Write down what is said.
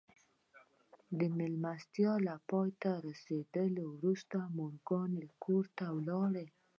د مېلمستیا له پای ته رسېدو وروسته مورګان کور ته ولاړ